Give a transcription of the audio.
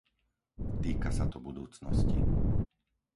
Týka sa to budúcnosti.